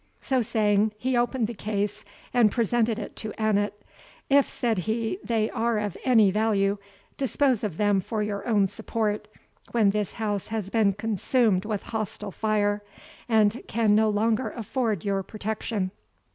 So saying, he opened the case, and presented it to Annot. "If," said he, "they are of any value, dispose of them for your own support, when this house has been consumed with hostile fire, and can no longer afford you protection.